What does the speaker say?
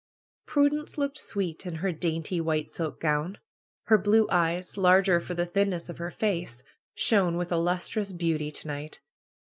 Prudence looked sweet in her dainty white silk gown. Her blue eyes, larger for the thinness of her face, shone with a lustrous beauty to night.